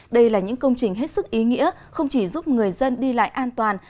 đây là những công trình hết sức ý nghĩa không chỉ giúp người dân đi lại an toàn